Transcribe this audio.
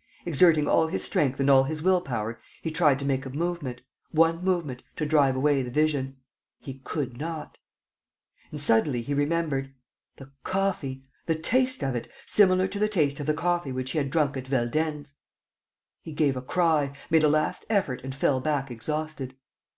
..." Exerting all his strength and all his will power, he tried to make a movement, one movement, to drive away the vision. He could not. And, suddenly, he remembered: the coffee! The taste of it ... similar to the taste of the coffee which he had drunk at Veldenz! He gave a cry, made a last effort and fell back exhausted.